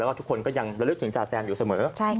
แล้วก็ทุกคนก็ยังระลึกถึงจาแซมอยู่เสมอ